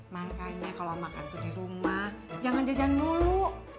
makanya kalo makan tuh di rumah jangan jajan mulu